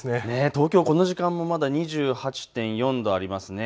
東京、この時間もまだ２８．４度ありますね。